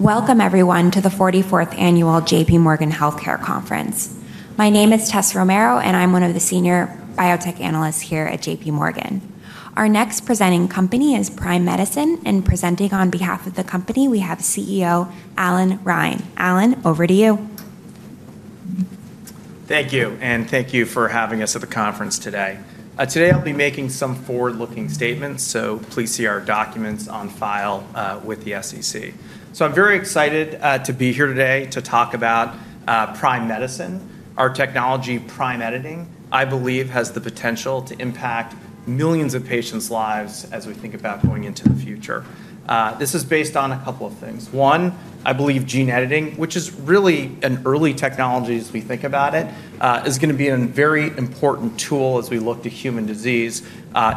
Welcome, everyone, to the 44th Annual J.P. Morgan Healthcare Conference. My name is Tess Romero, and I'm one of the Senior Biotech Analysts here at J.P. Morgan. Our next presenting company is Prime Medicine, and presenting on behalf of the company, we have CEO Allan Reine. Allan, over to you. Thank you, and thank you for having us at the conference today. Today, I'll be making some forward-looking statements, so please see our documents on file with the SEC. So I'm very excited to be here today to talk about Prime Medicine. Our technology, Prime Editing, I believe, has the potential to impact millions of patients' lives as we think about going into the future. This is based on a couple of things. One, I believe gene editing, which is really an early technology as we think about it, is going to be a very important tool as we look to human disease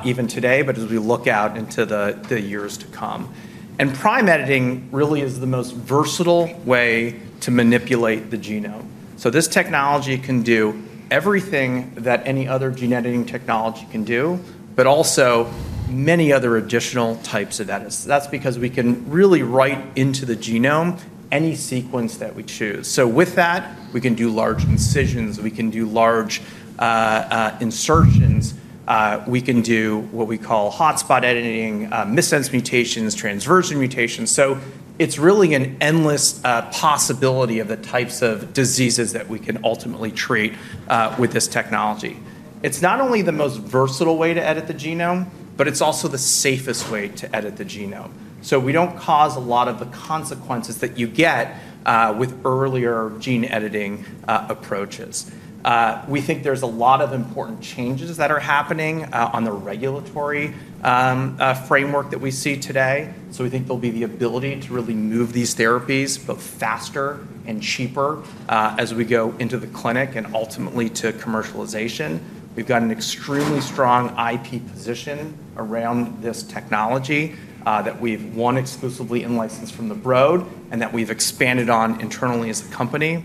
even today, but as we look out into the years to come. And Prime Editing really is the most versatile way to manipulate the genome. So this technology can do everything that any other gene editing technology can do, but also many other additional types of edits. That's because we can really write into the genome any sequence that we choose, so with that, we can do large deletions, we can do large insertions, we can do what we call hotspot editing, missense mutations, transversion mutations, so it's really an endless possibility of the types of diseases that we can ultimately treat with this technology. It's not only the most versatile way to edit the genome, but it's also the safest way to edit the genome, so we don't cause a lot of the consequences that you get with earlier gene editing approaches. We think there's a lot of important changes that are happening on the regulatory framework that we see today, so we think there'll be the ability to really move these therapies both faster and cheaper as we go into the clinic and ultimately to commercialization. We've got an extremely strong IP position around this technology that we've won exclusively in license from the Broad and that we've expanded on internally as a company.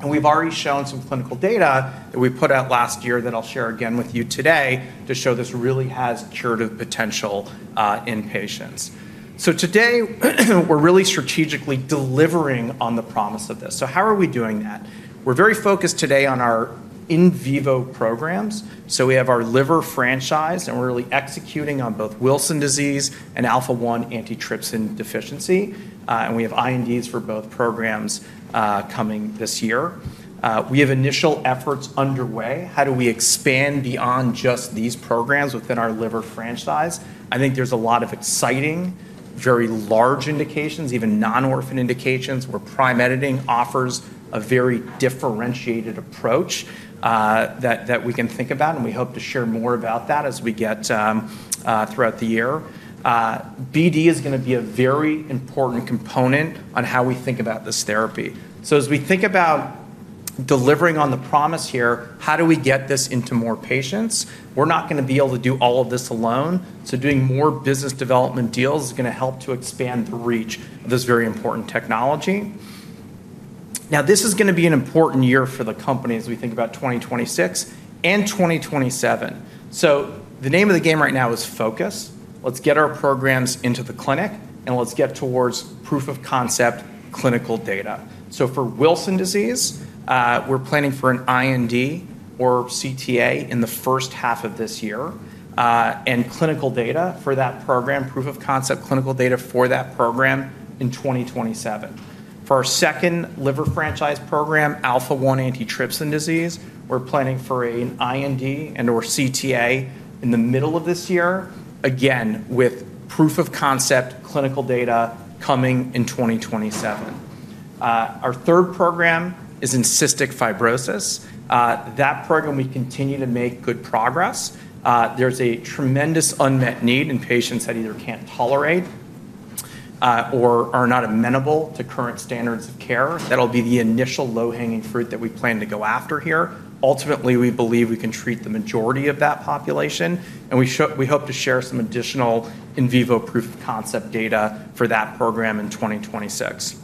And we've already shown some clinical data that we put out last year that I'll share again with you today to show this really has curative potential in patients. So today, we're really strategically delivering on the promise of this. So how are we doing that? We're very focused today on our in vivo programs. So we have our liver franchise, and we're really executing on both Wilson disease and alpha-1 antitrypsin deficiency. And we have INDs for both programs coming this year. We have initial efforts underway. How do we expand beyond just these programs within our liver franchise? I think there's a lot of exciting, very large indications, even non-orphan indications, where Prime Editing offers a very differentiated approach that we can think about, and we hope to share more about that as we get throughout the year. BD is going to be a very important component on how we think about this therapy. So as we think about delivering on the promise here, how do we get this into more patients? We're not going to be able to do all of this alone. So doing more business development deals is going to help to expand the reach of this very important technology. Now, this is going to be an important year for the company as we think about 2026 and 2027. So the name of the game right now is focus. Let's get our programs into the clinic, and let's get towards proof of concept clinical data. So, for Wilson disease, we're planning for an IND or CTA in the first half of this year, and clinical data for that program, proof of concept clinical data for that program, in 2027. For our second liver franchise program, alpha-1 antitrypsin deficiency, we're planning for an IND and/or CTA in the middle of this year, again with proof of concept clinical data coming in 2027. Our third program is in cystic fibrosis. That program, we continue to make good progress. There's a tremendous unmet need in patients that either can't tolerate or are not amenable to current standards of care. That'll be the initial low-hanging fruit that we plan to go after here. Ultimately, we believe we can treat the majority of that population, and we hope to share some additional in vivo proof of concept data for that program in 2026.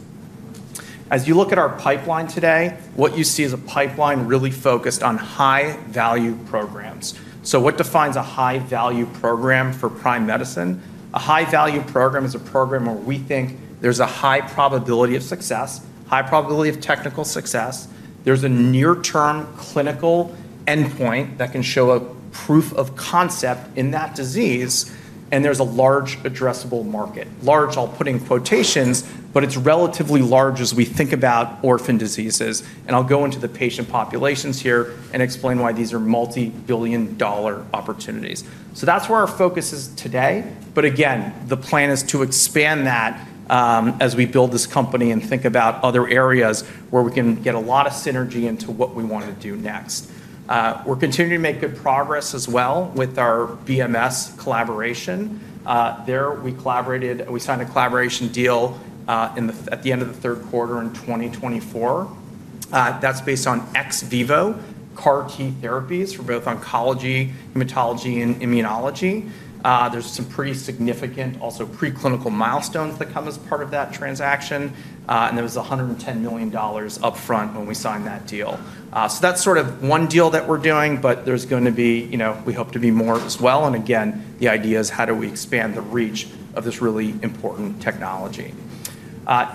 As you look at our pipeline today, what you see is a pipeline really focused on high-value programs. So what defines a high-value program for Prime Medicine? A high-value program is a program where we think there's a high probability of success, high probability of technical success, there's a near-term clinical endpoint that can show a proof of concept in that disease, and there's a large addressable market. Large, I'll put in quotations, but it's relatively large as we think about orphan diseases. And I'll go into the patient populations here and explain why these are multi-billion-dollar opportunities. So that's where our focus is today. But again, the plan is to expand that as we build this company and think about other areas where we can get a lot of synergy into what we want to do next. We're continuing to make good progress as well with our BMS collaboration. There we collaborated. We signed a collaboration deal at the end of the third quarter in 2024. That's based on ex vivo CAR T therapies for both oncology, hematology, and immunology. There's some pretty significant also preclinical milestones that come as part of that transaction, and there was $110 million upfront when we signed that deal. So that's sort of one deal that we're doing, but there's going to be, we hope to be more as well. And again, the idea is how do we expand the reach of this really important technology.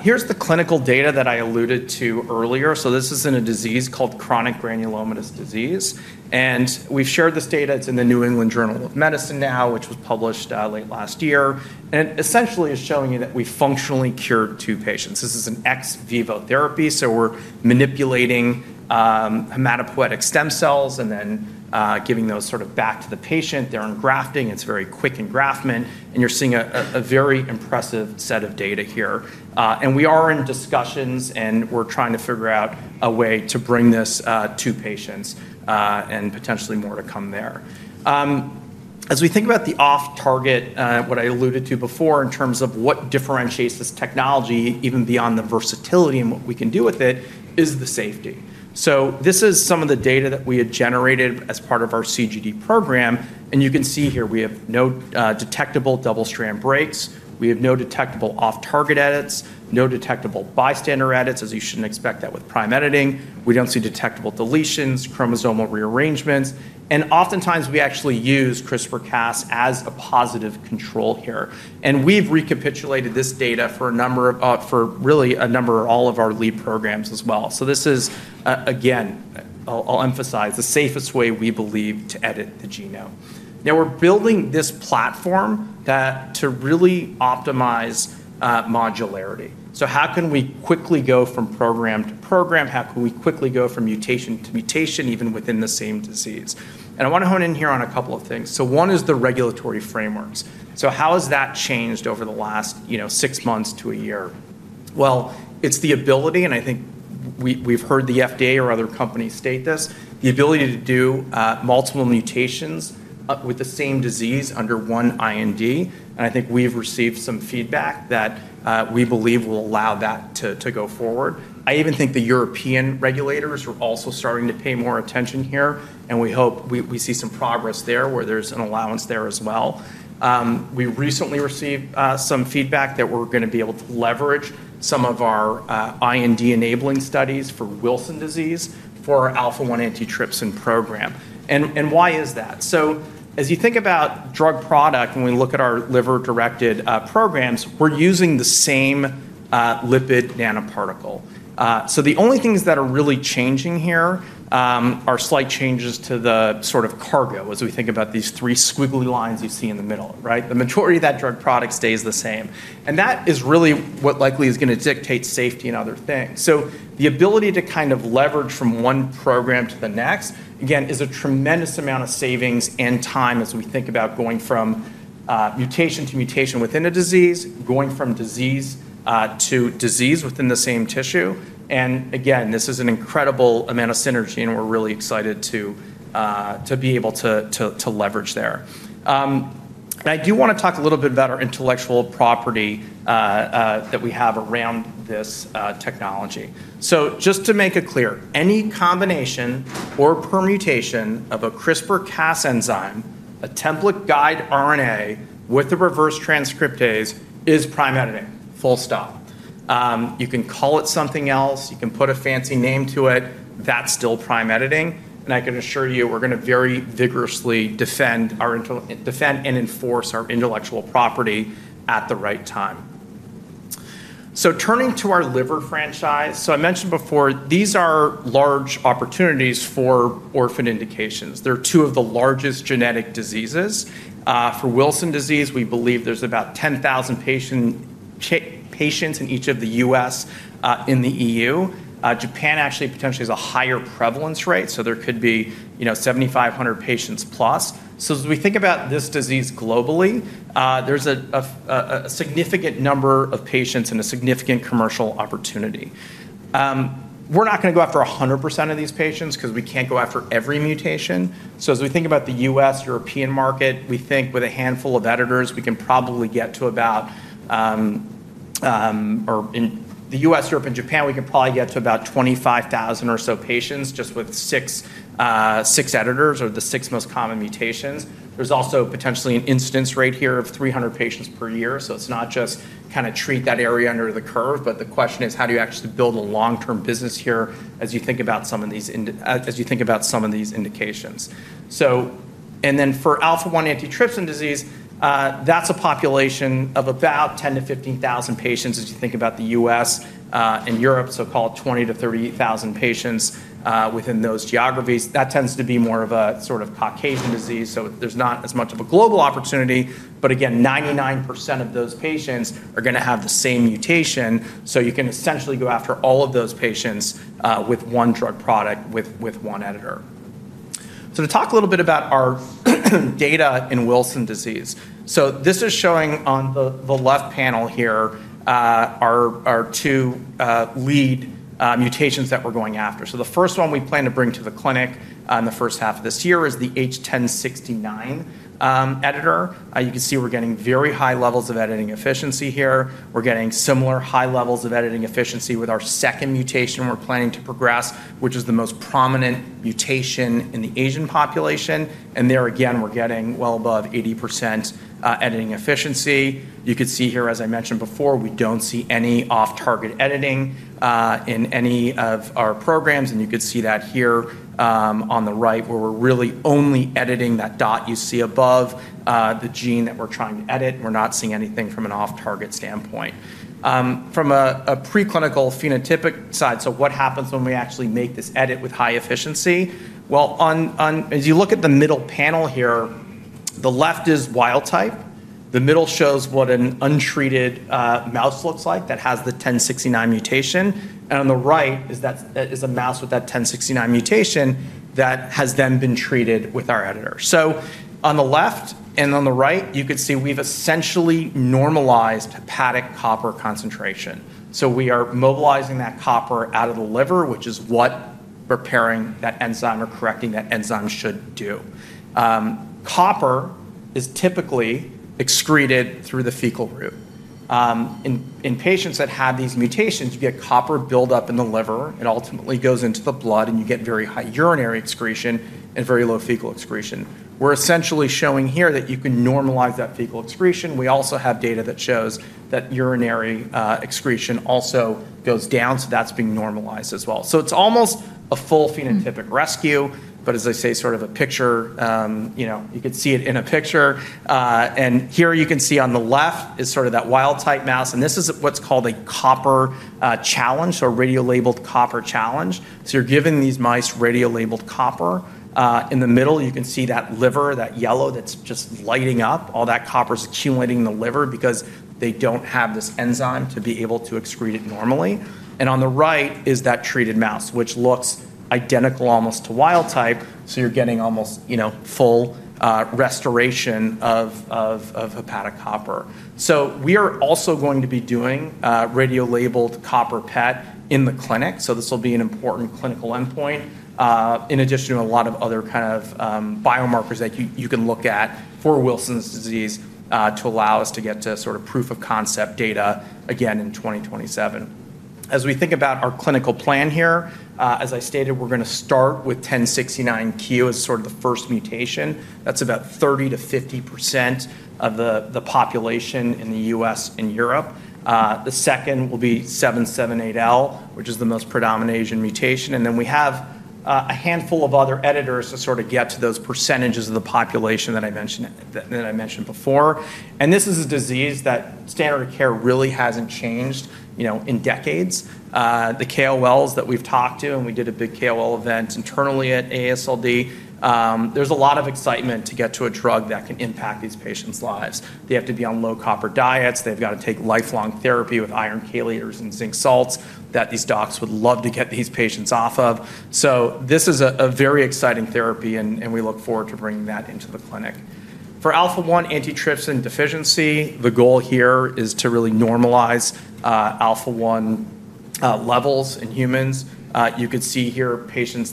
Here's the clinical data that I alluded to earlier. So this is in a disease called chronic granulomatous disease. And we've shared this data. It's in the New England Journal of Medicine now, which was published late last year. It essentially is showing you that we functionally cured two patients. This is an ex vivo therapy, so we're manipulating hematopoietic stem cells and then giving those sort of back to the patient. They're in grafting. It's very quick engraftment, and you're seeing a very impressive set of data here. We are in discussions, and we're trying to figure out a way to bring this to patients and potentially more to come there. As we think about the off-target, what I alluded to before in terms of what differentiates this technology even beyond the versatility and what we can do with it, is the safety. This is some of the data that we had generated as part of our CGD program. You can see here we have no detectable double-strand breaks. We have no detectable off-target edits, no detectable bystander edits, as you shouldn't expect that with Prime Editing. We don't see detectable deletions, chromosomal rearrangements. And oftentimes, we actually use CRISPR-Cas as a positive control here. And we've recapitulated this data for really a number of all of our lead programs as well. So this is, again, I'll emphasize the safest way we believe to edit the genome. Now, we're building this platform to really optimize modularity. So how can we quickly go from program to program? How can we quickly go from mutation to mutation even within the same disease? And I want to hone in here on a couple of things. So one is the regulatory frameworks. So how has that changed over the last six months to a year? It's the ability, and I think we've heard the FDA or other companies state this, the ability to do multiple mutations with the same disease under one IND. I think we've received some feedback that we believe will allow that to go forward. I even think the European regulators are also starting to pay more attention here, and we hope we see some progress there where there's an allowance there as well. We recently received some feedback that we're going to be able to leverage some of our IND enabling studies for Wilson disease for our alpha-1 antitrypsin program. Why is that? As you think about drug product, when we look at our liver-directed programs, we're using the same lipid nanoparticle. So the only things that are really changing here are slight changes to the sort of cargo as we think about these three squiggly lines you see in the middle, right? The majority of that drug product stays the same. And that is really what likely is going to dictate safety and other things. So the ability to kind of leverage from one program to the next, again, is a tremendous amount of savings and time as we think about going from mutation to mutation within a disease, going from disease to disease within the same tissue. And again, this is an incredible amount of synergy, and we're really excited to be able to leverage there. And I do want to talk a little bit about our intellectual property that we have around this technology. So just to make it clear, any combination or permutation of a CRISPR-Cas enzyme, a template guide RNA with a reverse transcriptase, is Prime Editing. Full stop. You can call it something else. You can put a fancy name to it. That's still Prime Editing. And I can assure you we're going to very vigorously defend and enforce our intellectual property at the right time. So turning to our liver franchise, so I mentioned before, these are large opportunities for orphan indications. They're two of the largest genetic diseases. For Wilson disease, we believe there's about 10,000 patients in each of the U.S. and the E.U. Japan actually potentially has a higher prevalence rate, so there could be 7,500 patients plus. So as we think about this disease globally, there's a significant number of patients and a significant commercial opportunity. We're not going to go after 100% of these patients because we can't go after every mutation. So as we think about the U.S. European market, we think with a handful of editors, we can probably get to about, or in the U.S., Europe, and Japan, we can probably get to about 25,000 or so patients just with six editors or the six most common mutations. There's also potentially an incidence rate here of 300 patients per year. So it's not just kind of treat that area under the curve, but the question is, how do you actually build a long-term business here as you think about some of these indications? Then for alpha-1 antitrypsin deficiency, that's a population of about 10,000-15,000 patients as you think about the U.S. and Europe, so call it 20,000-30,000 patients within those geographies. That tends to be more of a sort of Caucasian disease, so there's not as much of a global opportunity. But again, 99% of those patients are going to have the same mutation. So you can essentially go after all of those patients with one drug product with one editor. So to talk a little bit about our data in Wilson disease. So this is showing on the left panel here our two lead mutations that we're going after. So the first one we plan to bring to the clinic in the first half of this year is the H1069 editor. You can see we're getting very high levels of editing efficiency here. We're getting similar high levels of editing efficiency with our second mutation we're planning to progress, which is the most prominent mutation in the Asian population, and there again, we're getting well above 80% editing efficiency. You could see here, as I mentioned before, we don't see any off-target editing in any of our programs, and you could see that here on the right where we're really only editing that dot you see above the gene that we're trying to edit. We're not seeing anything from an off-target standpoint. From a preclinical phenotypic side, so what happens when we actually make this edit with high efficiency, well, as you look at the middle panel here, the left is wild type. The middle shows what an untreated mouse looks like that has the H1069Q mutation. On the right is a mouse with that H1069Q mutation that has then been treated with our editor. On the left and on the right, you could see we've essentially normalized hepatic copper concentration. We are mobilizing that copper out of the liver, which is what repairing that enzyme or correcting that enzyme should do. Copper is typically excreted through the fecal route. In patients that have these mutations, you get copper buildup in the liver. It ultimately goes into the blood, and you get very high urinary excretion and very low fecal excretion. We're essentially showing here that you can normalize that fecal excretion. We also have data that shows that urinary excretion also goes down, so that's being normalized as well. It's almost a full phenotypic rescue, but as I say, sort of a picture. You could see it in a picture. And here you can see on the left is sort of that wild type mouse. And this is what's called a copper challenge or radiolabeled copper challenge. So you're giving these mice radiolabeled copper. In the middle, you can see that liver, that yellow that's just lighting up. All that copper is accumulating in the liver because they don't have this enzyme to be able to excrete it normally. And on the right is that treated mouse, which looks identical almost to wild type. So you're getting almost full restoration of hepatic copper. So we are also going to be doing radiolabeled copper PET in the clinic. So this will be an important clinical endpoint in addition to a lot of other kind of biomarkers that you can look at for Wilson disease to allow us to get to sort of proof of concept data again in 2027. As we think about our clinical plan here, as I stated, we're going to start with H1069Q as sort of the first mutation. That's about 30%-50% of the population in the U.S. and Europe. The second will be R778L, which is the most predominant Asian mutation. And then we have a handful of other editors to sort of get to those percentages of the population that I mentioned before. And this is a disease that standard of care really hasn't changed in decades. The KOLs that we've talked to, and we did a big KOL event internally at AASLD, there's a lot of excitement to get to a drug that can impact these patients' lives. They have to be on low copper diets. They've got to take lifelong therapy with iron chelators and zinc salts that these docs would love to get these patients off of. This is a very exciting therapy, and we look forward to bringing that into the clinic. For alpha-1 antitrypsin deficiency, the goal here is to really normalize alpha-1 levels in humans. You could see here patients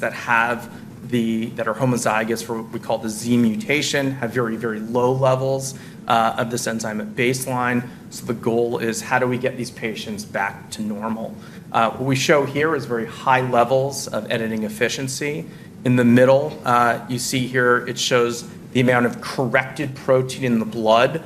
that are homozygous for what we call the Z mutation have very, very low levels of this enzyme at baseline. The goal is, how do we get these patients back to normal? What we show here is very high levels of editing efficiency. In the middle, you see here it shows the amount of corrected protein in the blood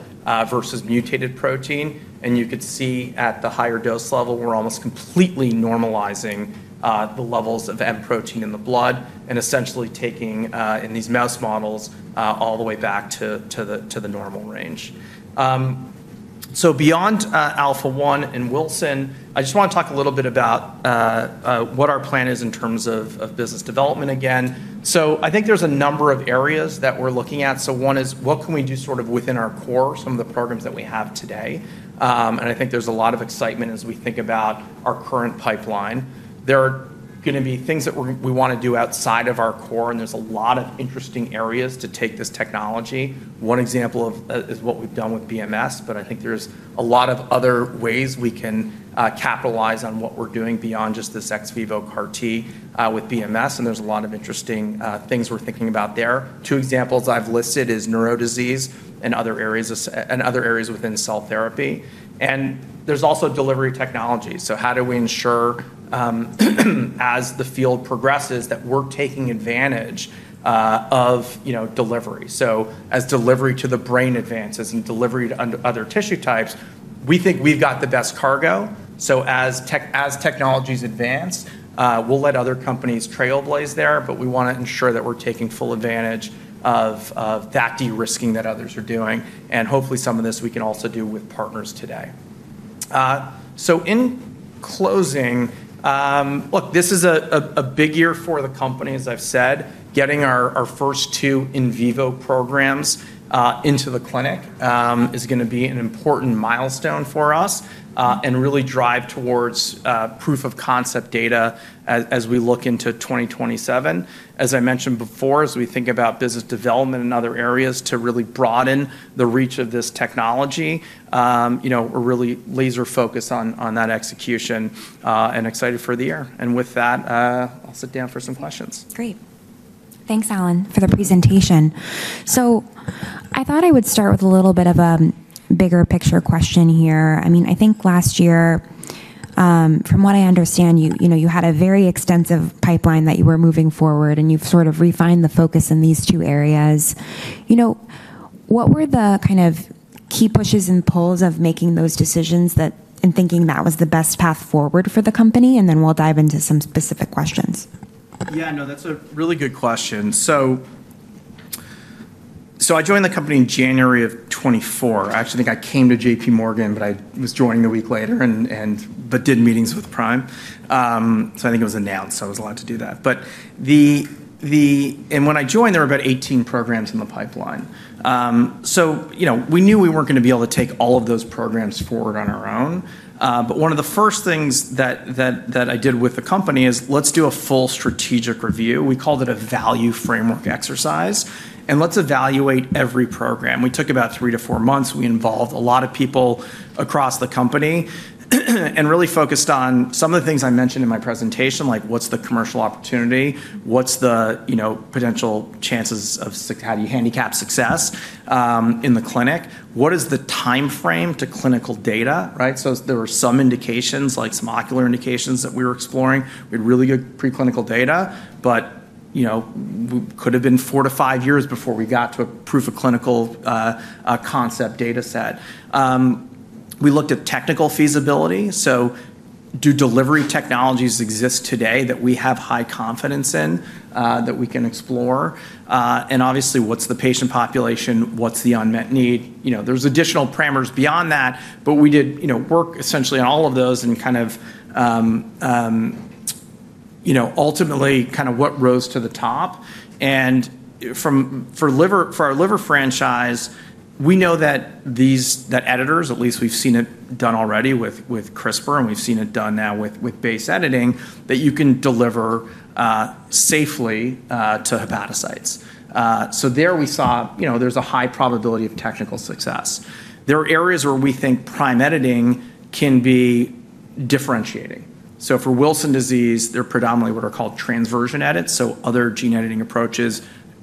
versus mutated protein. You could see at the higher dose level, we're almost completely normalizing the levels of M protein in the blood and essentially taking in these mouse models all the way back to the normal range. So beyond Alpha-1 and Wilson, I just want to talk a little bit about what our plan is in terms of business development again. So I think there's a number of areas that we're looking at. So one is, what can we do sort of within our core, some of the programs that we have today? And I think there's a lot of excitement as we think about our current pipeline. There are going to be things that we want to do outside of our core, and there's a lot of interesting areas to take this technology. One example of that is what we've done with BMS, but I think there's a lot of other ways we can capitalize on what we're doing beyond just this ex vivo CAR-T with BMS. And there's a lot of interesting things we're thinking about there. Two examples I've listed is neuro diseases and other areas within cell therapy, and there's also delivery technology. So how do we ensure, as the field progresses, that we're taking advantage of delivery? So as delivery to the brain advances and delivery to other tissue types, we think we've got the best cargo. So as technologies advance, we'll let other companies trailblaze there, but we want to ensure that we're taking full advantage of that de-risking that others are doing, and hopefully, some of this we can also do with partners today. So in closing, look, this is a big year for the company, as I've said. Getting our first two in vivo programs into the clinic is going to be an important milestone for us and really drive towards proof of concept data as we look into 2027. As I mentioned before, as we think about business development in other areas to really broaden the reach of this technology, we're really laser-focused on that execution and excited for the year. And with that, I'll sit down for some questions. Great. Thanks, Allan, for the presentation. So I thought I would start with a little bit of a bigger picture question here. I mean, I think last year, from what I understand, you had a very extensive pipeline that you were moving forward, and you've sort of refined the focus in these two areas. What were the kind of key pushes and pulls of making those decisions and thinking that was the best path forward for the company? And then we'll dive into some specific questions. Yeah, no, that's a really good question. So I joined the company in January of 2024. I actually think I came to J.P. Morgan, but I was joining a week later and did meetings with Prime. So I think it was announced. I was allowed to do that. And when I joined, there were about 18 programs in the pipeline. So we knew we weren't going to be able to take all of those programs forward on our own. But one of the first things that I did with the company is, let's do a full strategic review. We called it a value framework exercise. And let's evaluate every program. We took about three to four months. We involved a lot of people across the company and really focused on some of the things I mentioned in my presentation, like what's the commercial opportunity? What's the potential chances of how do you handicap success in the clinic? What is the timeframe to clinical data, right, so there were some indications, like some ocular indications that we were exploring. We had really good preclinical data, but we could have been four-to-five years before we got to a proof of clinical concept data set. We looked at technical feasibility, so do delivery technologies exist today that we have high confidence in that we can explore, and obviously, what's the patient population? What's the unmet need? There's additional parameters beyond that, but we did work essentially on all of those and kind of ultimately kind of what rose to the top, and for our liver franchise, we know that editors, at least we've seen it done already with CRISPR, and we've seen it done now with base editing, that you can deliver safely to hepatocytes. So there we saw there's a high probability of technical success. There are areas where we think prime editing can be differentiating. So for Wilson disease, they're predominantly what are called transversion edits. So other gene editing approaches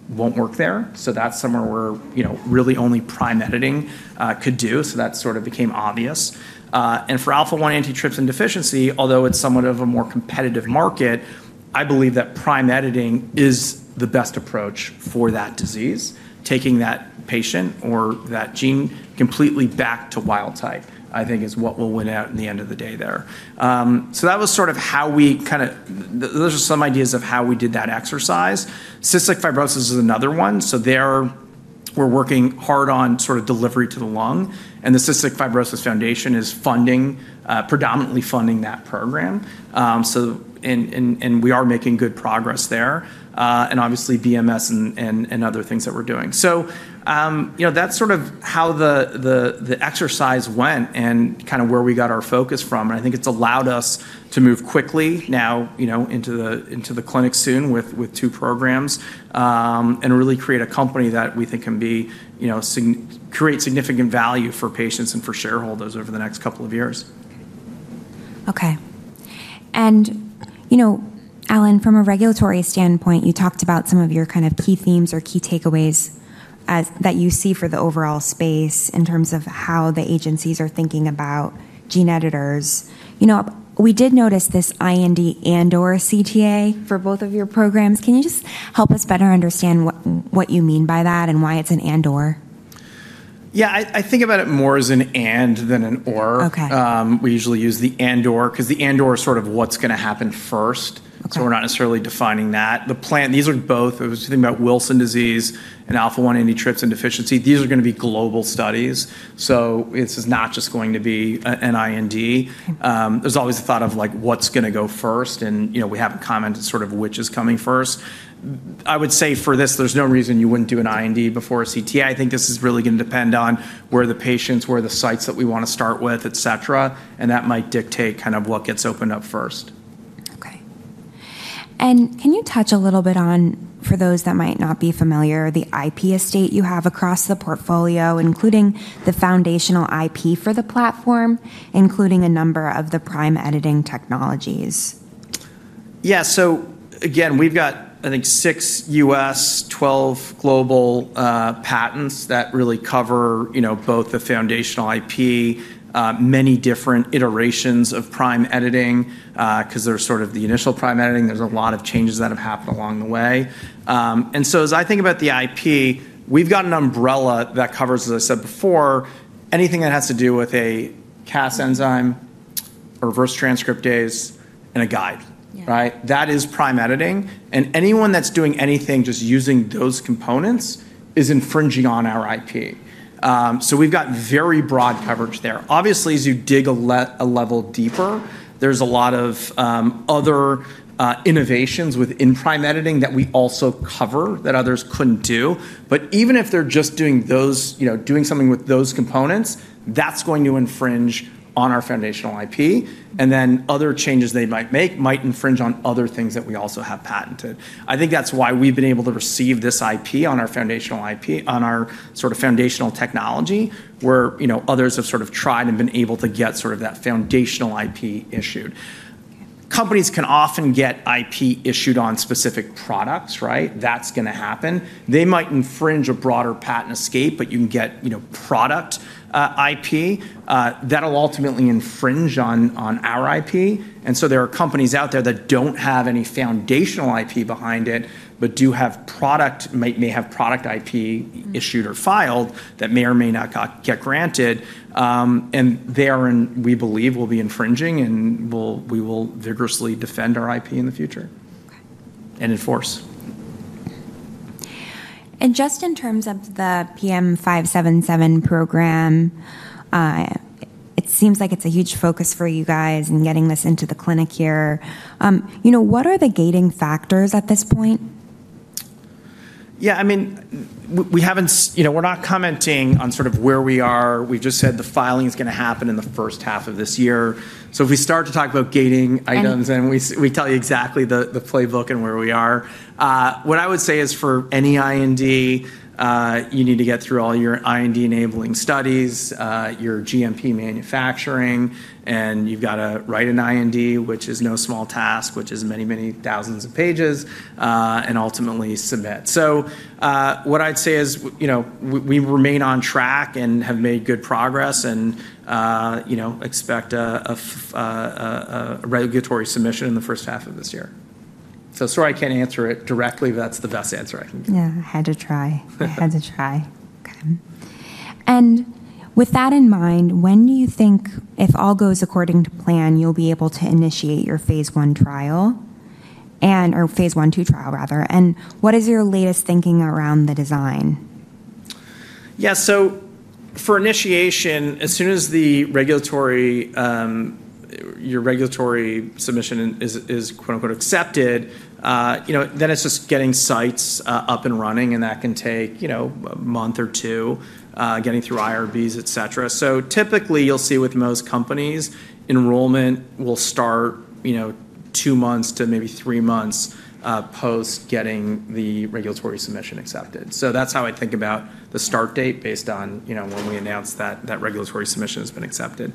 won't work there. So that's somewhere where really only prime editing could do. So that sort of became obvious. And for alpha-1 antitrypsin deficiency, although it's somewhat of a more competitive market, I believe that prime editing is the best approach for that disease. Taking that patient or that gene completely back to wild type, I think, is what will win out in the end of the day there. So that was sort of how we kind of those are some ideas of how we did that exercise. Cystic fibrosis is another one. So there we're working hard on sort of delivery to the lung. And the Cystic Fibrosis Foundation is predominantly funding that program. And we are making good progress there. And obviously, BMS and other things that we're doing. So that's sort of how the exercise went and kind of where we got our focus from. And I think it's allowed us to move quickly now into the clinic soon with two programs and really create a company that we think can create significant value for patients and for shareholders over the next couple of years. Okay. And Allan, from a regulatory standpoint, you talked about some of your kind of key themes or key takeaways that you see for the overall space in terms of how the agencies are thinking about gene editors. We did notice this IND and/or CTA for both of your programs. Can you just help us better understand what you mean by that and why it's an and/or? Yeah, I think about it more as an and than an or. We usually use the and/or because the and/or is sort of what's going to happen first. So we're not necessarily defining that. These are both, if you think about Wilson disease and alpha-1 antitrypsin deficiency, these are going to be global studies. So this is not just going to be an IND. There's always the thought of what's going to go first. We haven't commented sort of which is coming first. I would say for this, there's no reason you wouldn't do an IND before a CTA. I think this is really going to depend on where the patients, where the sites that we want to start with, etc. That might dictate kind of what gets opened up first. Okay, and can you touch a little bit on, for those that might not be familiar, the IP estate you have across the portfolio, including the foundational IP for the platform, including a number of the Prime Editing technologies? Yeah. So again, we've got, I think, six U.S., 12 global patents that really cover both the foundational IP, many different iterations of Prime Editing because there's sort of the initial Prime Editing. There's a lot of changes that have happened along the way. And so as I think about the IP, we've got an umbrella that covers, as I said before, anything that has to do with a Cas enzyme, a reverse transcriptase, and a guide, right? That is Prime Editing. And anyone that's doing anything just using those components is infringing on our IP. So we've got very broad coverage there. Obviously, as you dig a level deeper, there's a lot of other innovations within Prime Editing that we also cover that others couldn't do. But even if they're just doing something with those components, that's going to infringe on our foundational IP. Other changes they might make might infringe on other things that we also have patented. I think that's why we've been able to receive this IP on our sort of foundational technology where others have sort of tried and been able to get sort of that foundational IP issued. Companies can often get IP issued on specific products, right? That's going to happen. They might infringe a broader patent estate, but you can get product IP that'll ultimately infringe on our IP. And so there are companies out there that don't have any foundational IP behind it but do have product, may have product IP issued or filed that may or may not get granted. And they are, and we believe, will be infringing, and we will vigorously defend our IP in the future and enforce. Just in terms of the PM577 program, it seems like it's a huge focus for you guys in getting this into the clinic here. What are the gating factors at this point? Yeah, I mean, we're not commenting on sort of where we are. We've just said the filing is going to happen in the first half of this year. So if we start to talk about gating items, then we tell you exactly the playbook and where we are. What I would say is for any IND, you need to get through all your IND enabling studies, your GMP manufacturing, and you've got to write an IND, which is no small task, which is many, many thousands of pages, and ultimately submit. So what I'd say is we remain on track and have made good progress and expect a regulatory submission in the first half of this year. So sorry, I can't answer it directly, but that's the best answer I can give. Yeah, I had to try. I had to try. Okay. And with that in mind, when do you think, if all goes according to plan, you'll be able to initiate your phase one trial or phase one two trial, rather? And what is your latest thinking around the design? Yeah. So for initiation, as soon as your regulatory submission is "accepted," then it's just getting sites up and running, and that can take a month or two, getting through IRBs, etc. So typically, you'll see with most companies, enrollment will start two months to maybe three months post getting the regulatory submission accepted. So that's how I think about the start date based on when we announce that that regulatory submission has been accepted.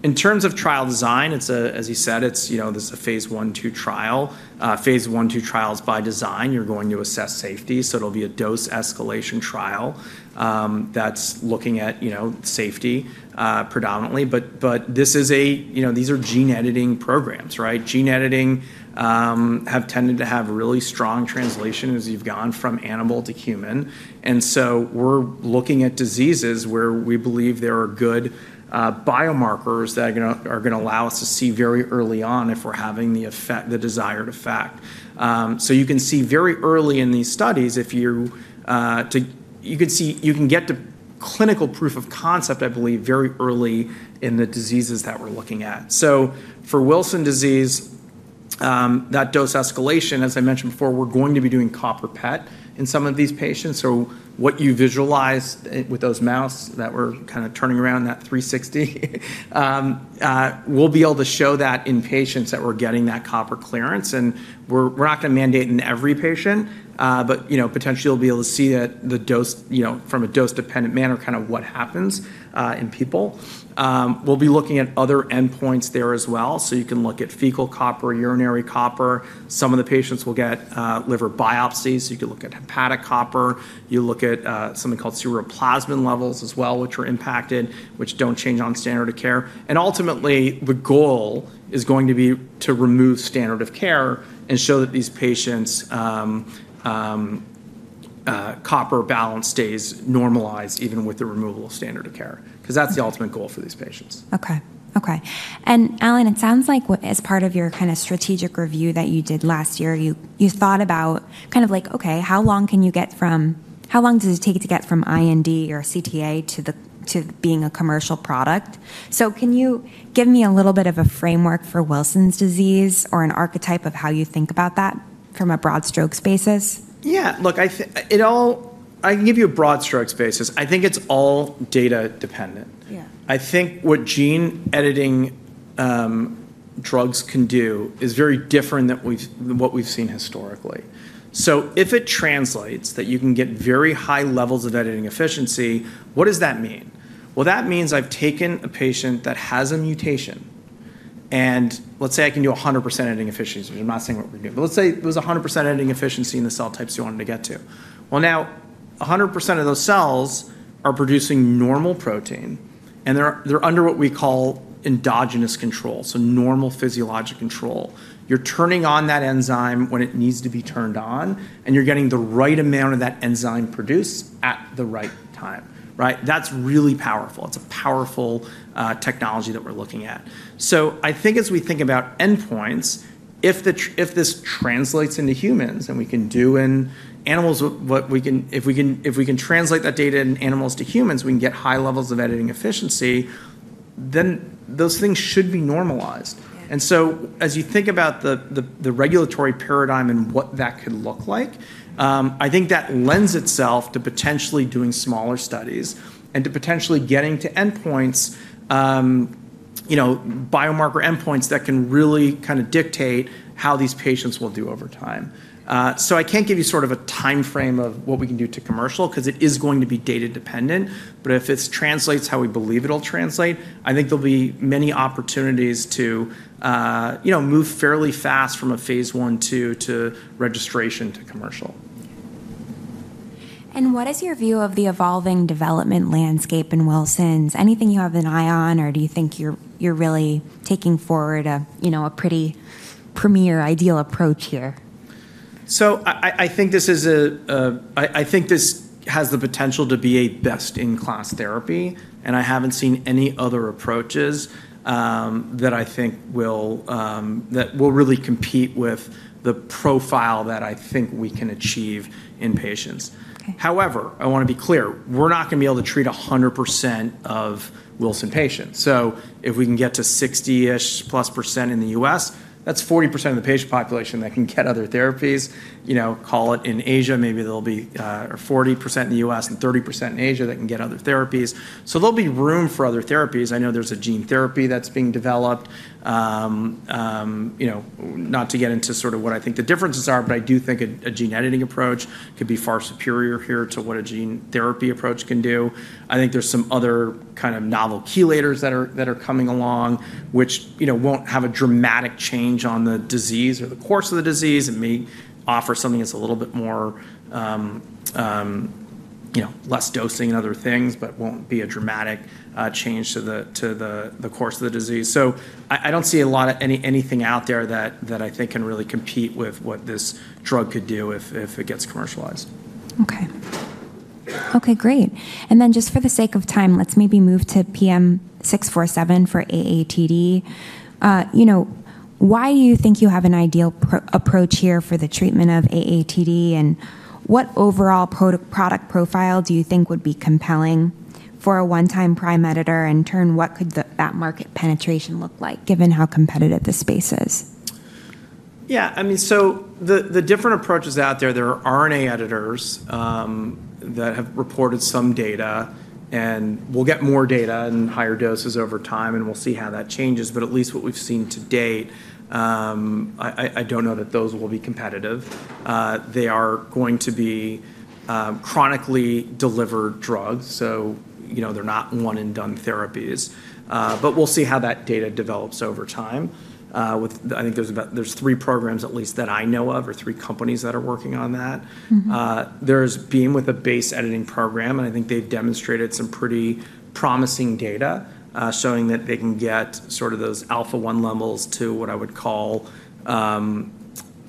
In terms of trial design, as you said, there's a phase 1/2 trial. Phase 1/2 trials, by design, you're going to assess safety. So it'll be a dose escalation trial that's looking at safety predominantly. But these are gene editing programs, right? Gene editing has tended to have really strong translation as you've gone from animal to human. And so we're looking at diseases where we believe there are good biomarkers that are going to allow us to see very early on if we're having the desired effect. So you can see very early in these studies, you can get to clinical proof of concept, I believe, very early in the diseases that we're looking at. So for Wilson disease, that dose escalation, as I mentioned before, we're going to be doing copper PET in some of these patients. So what you visualize with those models that we're kind of turning around that 360, we'll be able to show that in patients that we're getting that copper clearance. And we're not going to mandate in every patient, but potentially, you'll be able to see that from a dose-dependent manner kind of what happens in people. We'll be looking at other endpoints there as well. You can look at fecal copper, urinary copper. Some of the patients will get liver biopsies. You can look at hepatic copper. You look at something called ceruloplasmin levels as well, which are impacted, which don't change on standard of care. Ultimately, the goal is going to be to remove standard of care and show that these patients' copper balance stays normalized even with the removal of standard of care because that's the ultimate goal for these patients. Okay. Okay. And Allan, it sounds like as part of your kind of strategic review that you did last year, you thought about kind of like, "Okay, how long does it take to get from IND or CTA to being a commercial product?" So can you give me a little bit of a framework for Wilson disease or an archetype of how you think about that from a broad strokes basis? Yeah. Look, I can give you a broad strokes basis. I think it's all data dependent. I think what gene editing drugs can do is very different than what we've seen historically. So if it translates that you can get very high levels of editing efficiency, what does that mean? Well, that means I've taken a patient that has a mutation. And let's say I can do 100% editing efficiency. I'm not saying what we're going to do. But let's say it was 100% editing efficiency in the cell types you wanted to get to. Well, now 100% of those cells are producing normal protein, and they're under what we call endogenous control, so normal physiologic control. You're turning on that enzyme when it needs to be turned on, and you're getting the right amount of that enzyme produced at the right time, right? That's really powerful. It's a powerful technology that we're looking at, so I think as we think about endpoints, if this translates into humans and we can do in animals what we can, if we can translate that data in animals to humans, we can get high levels of editing efficiency, then those things should be normalized, and so as you think about the regulatory paradigm and what that could look like, I think that lends itself to potentially doing smaller studies and to potentially getting to endpoints, biomarker endpoints that can really kind of dictate how these patients will do over time, so I can't give you sort of a timeframe of what we can do to commercial because it is going to be data dependent. But if this translates how we believe it'll translate, I think there'll be many opportunities to move fairly fast from a phase 1/2 to registration to commercial. What is your view of the evolving development landscape in Wilson's? Anything you have an eye on, or do you think you're really taking forward a pretty premier ideal approach here? So I think this has the potential to be a best-in-class therapy. And I haven't seen any other approaches that I think will really compete with the profile that I think we can achieve in patients. However, I want to be clear, we're not going to be able to treat 100% of Wilson patients. So if we can get to 60-ish plus % in the U.S., that's 40% of the patient population that can get other therapies. Call it in Asia, maybe there'll be 40% in the U.S. and 30% in Asia that can get other therapies. So there'll be room for other therapies. I know there's a gene therapy that's being developed. Not to get into sort of what I think the differences are, but I do think a gene editing approach could be far superior here to what a gene therapy approach can do. I think there's some other kind of novel chelators that are coming along, which won't have a dramatic change on the disease or the course of the disease. It may offer something that's a little bit more less dosing and other things, but won't be a dramatic change to the course of the disease. So I don't see anything out there that I think can really compete with what this drug could do if it gets commercialized. Okay. Okay, great. And then just for the sake of time, let's maybe move to PM647 for AATD. Why do you think you have an ideal approach here for the treatment of AATD? And what overall product profile do you think would be compelling for a one-time prime editor? And in turn, what could that market penetration look like given how competitive the space is? Yeah. I mean, so the different approaches out there, there are RNA editors that have reported some data. And we'll get more data and higher doses over time, and we'll see how that changes. But at least what we've seen to date, I don't know that those will be competitive. They are going to be chronically delivered drugs. So they're not one-and-done therapies. But we'll see how that data develops over time. I think there's three programs at least that I know of or three companies that are working on that. There's Beam with a base editing program, and I think they've demonstrated some pretty promising data showing that they can get sort of those alpha-1 levels to what I would call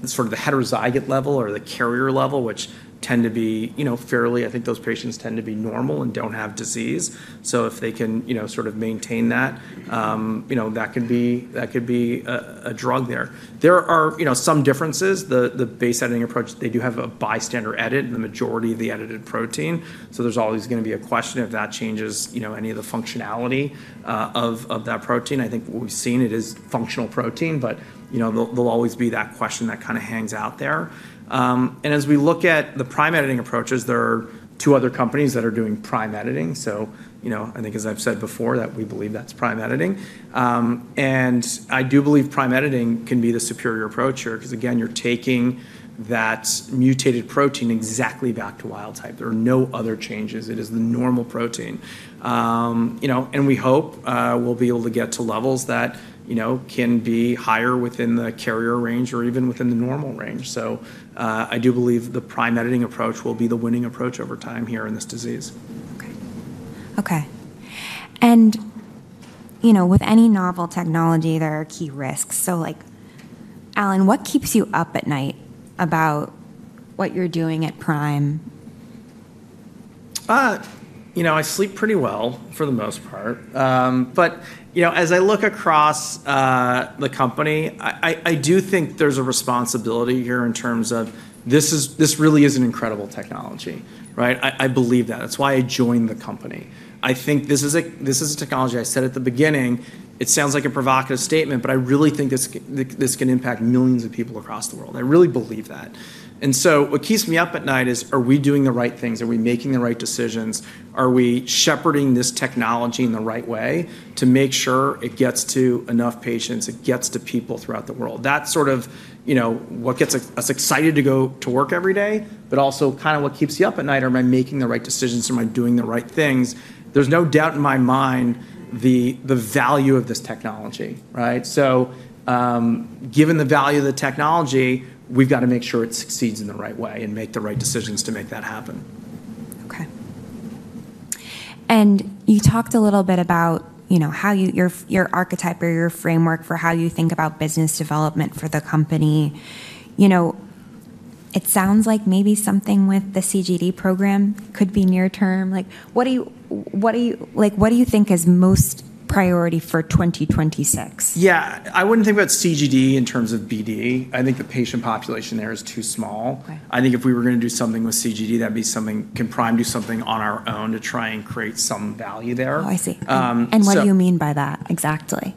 sort of the heterozygote level or the carrier level, which tend to be fairly. I think those patients tend to be normal and don't have disease. So if they can sort of maintain that, that could be a drug there. There are some differences. The base editing approach, they do have a bystander edit in the majority of the edited protein. So there's always going to be a question if that changes any of the functionality of that protein. I think what we've seen is functional protein, but there'll always be that question that kind of hangs out there. And as we look at the Prime Editing approaches, there are two other companies that are doing Prime Editing. So I think, as I've said before, that we believe that's Prime Editing. And I do believe Prime Editing can be the superior approach here because, again, you're taking that mutated protein exactly back to wild type. There are no other changes. It is the normal protein. And we hope we'll be able to get to levels that can be higher within the carrier range or even within the normal range. So I do believe the Prime Editing approach will be the winning approach over time here in this disease. With any novel technology, there are key risks. So Allan, what keeps you up at night about what you're doing at Prime? I sleep pretty well for the most part. But as I look across the company, I do think there's a responsibility here in terms of this really is an incredible technology, right? I believe that. That's why I joined the company. I think this is a technology I said at the beginning. It sounds like a provocative statement, but I really think this can impact millions of people across the world. I really believe that. And so what keeps me up at night is, are we doing the right things? Are we making the right decisions? Are we shepherding this technology in the right way to make sure it gets to enough patients, it gets to people throughout the world? That's sort of what gets us excited to go to work every day, but also kind of what keeps you up at night. Am I making the right decisions? Am I doing the right things? There's no doubt in my mind the value of this technology, right? So given the value of the technology, we've got to make sure it succeeds in the right way and make the right decisions to make that happen. Okay. And you talked a little bit about how your archetype or your framework for how you think about business development for the company. It sounds like maybe something with the CGD program could be near term. What do you think is most priority for 2026? Yeah. I wouldn't think about CGD in terms of BD. I think the patient population there is too small. I think if we were going to do something with CGD, that'd be something Prime can do on our own to try and create some value there. Oh, I see. And what do you mean by that exactly?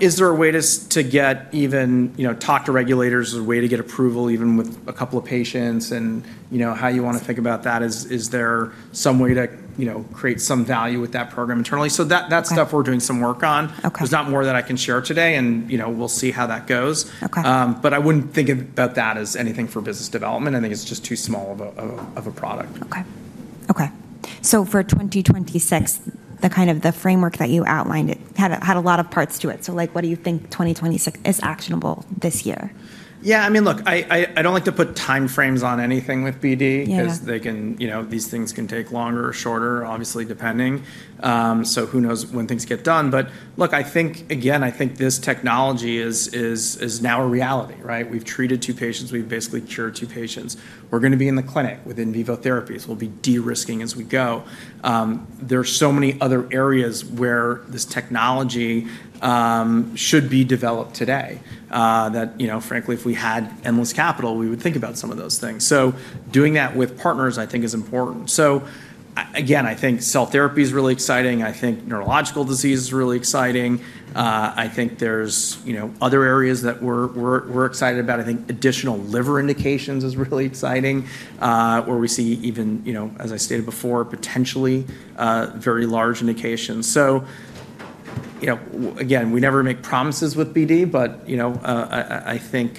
Is there a way to get even to talk to regulators or a way to get approval even with a couple of patients? And how you want to think about that is, is there some way to create some value with that program internally? So that's stuff we're doing some work on. There's nothing more that I can share today, and we'll see how that goes. But I wouldn't think about that as anything for business development. I think it's just too small of a product. Okay. Okay. So for 2026, the kind of framework that you outlined, it had a lot of parts to it. So what do you think 2026 is actionable this year? Yeah. I mean, look, I don't like to put timeframes on anything with BD because these things can take longer or shorter, obviously, depending. So who knows when things get done? But look, again, I think this technology is now a reality, right? We've treated two patients. We've basically cured two patients. We're going to be in the clinic with in vivo therapies. We'll be de-risking as we go. There are so many other areas where this technology should be developed today that, frankly, if we had endless capital, we would think about some of those things. So doing that with partners, I think, is important. So again, I think cell therapy is really exciting. I think neurological disease is really exciting. I think there's other areas that we're excited about. I think additional liver indications is really exciting where we see even, as I stated before, potentially very large indications. So again, we never make promises with BD, but I think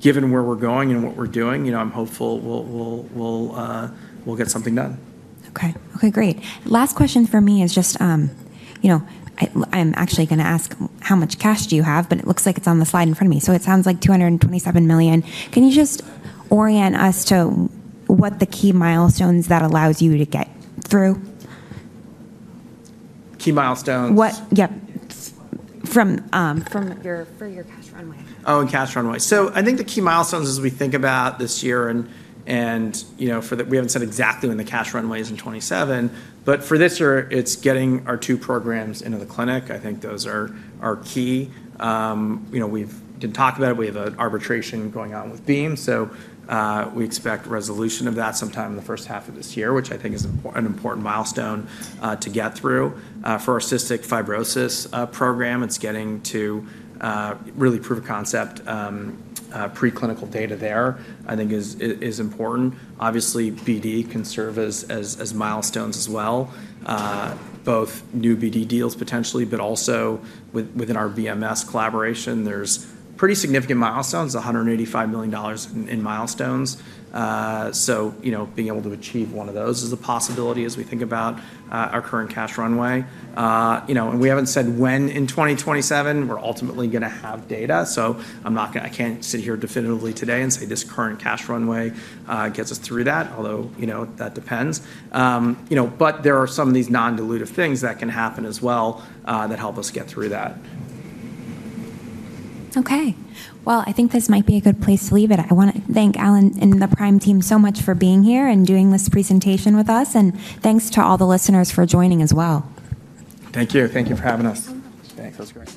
given where we're going and what we're doing, I'm hopeful we'll get something done. Okay. Okay, great. Last question for me is just I'm actually going to ask how much cash do you have, but it looks like it's on the slide in front of me. So it sounds like $227 million. Can you just orient us to what the key milestones that allows you to get through? Key milestones? Yep. From your cash runway. Oh, cash runway. So I think the key milestones as we think about this year and we haven't said exactly when the cash runway is in 2027, but for this year, it's getting our two programs into the clinic. I think those are key. We didn't talk about it. We have an arbitration going on with Beam. So we expect resolution of that sometime in the first half of this year, which I think is an important milestone to get through. For our cystic fibrosis program, it's getting to really prove a concept. Preclinical data there, I think, is important. Obviously, BD can serve as milestones as well, both new BD deals potentially, but also within our BMS collaboration, there's pretty significant milestones, $185 million in milestones. So being able to achieve one of those is a possibility as we think about our current cash runway. And we haven't said when in 2027 we're ultimately going to have data. So I can't sit here definitively today and say this current cash runway gets us through that, although that depends. But there are some of these non-dilutive things that can happen as well that help us get through that. Okay. Well, I think this might be a good place to leave it. I want to thank Allan and the Prime team so much for being here and doing this presentation with us. And thanks to all the listeners for joining as well. Thank you. Thank you for having us. Thanks. Thanks. Okay.